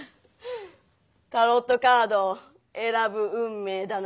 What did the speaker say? タロットカードを選ぶ運命だなんて。